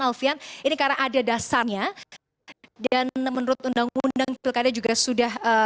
alfian ini karena ada dasarnya dan menurut undang undang pilkada juga sudah